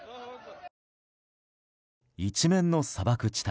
一面の砂漠地帯。